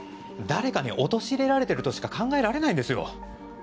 誰かに陥れられてるとしか考えられないんですよ。